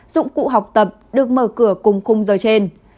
dụng cụ học tập được mở cửa cùng khung giờ trên